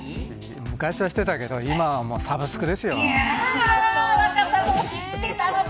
昔はしていたけど今はサブスクですよ。